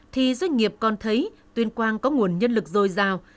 thì doanh nghiệp còn thấy tuyên quang có nguồn nhân lực dồi dào